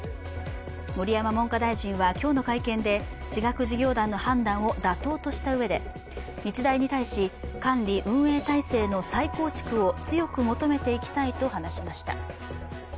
盛山文科大臣は今日の会見で私学事業団の判断を妥当としたうえで日大に対し、管理運営体制の再構築を強く求めていきたいと話しました。